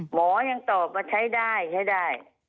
หมอยังตอบว่าใช้ได้ใช้ได้